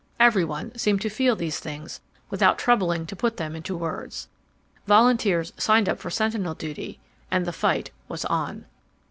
Every one seemed to feel these things without troubling to put them into words. Volunteers signed up for sentinel duty and the fight was on.